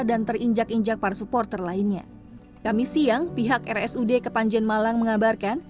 terinjak injak para supporter lainnya kami siang pihak rsud kepanjen malang mengabarkan